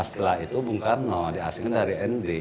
setelah itu bung karno diasingkan dari nd